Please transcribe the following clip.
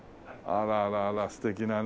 あらあらあら素敵なね。